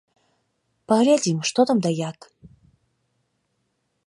Паглядзім, што там і як.